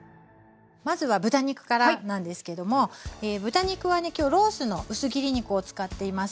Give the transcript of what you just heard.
まずは豚肉からなんですけども豚肉はね今日ロースの薄切り肉を使っています。